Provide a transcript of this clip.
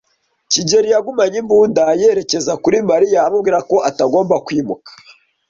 kigeli yagumanye imbunda yerekeza kuri Mariya amubwira ko atagomba kwimuka.